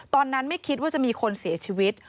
ตอนนั้นไม่คิดว่าจะมีคนเสียชีวิต